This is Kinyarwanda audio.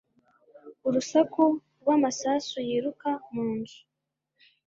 urusaku rw'amasasu yiruka mu nzu